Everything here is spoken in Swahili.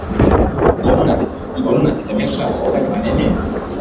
Mbona unatetemeka? Woga ni wa nini?